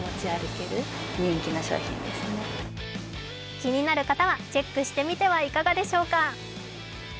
気になる方はチェックしてみてはいかがでしょうか？